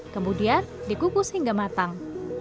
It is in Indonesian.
kemudian dikukus hingga matang